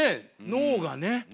脳がね。